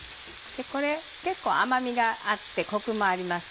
これ結構甘みがあってコクもあります。